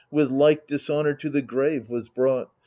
With like dishonour to the grave was brought.